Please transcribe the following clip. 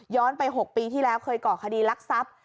ไป๖ปีที่แล้วเคยก่อคดีรักทรัพย์